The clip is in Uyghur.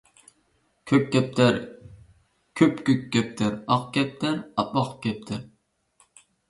كۆك كەپتەر – كۆپكۆك كەپتەر، ئاق كەپتەر - ئاپئاق كەپتەر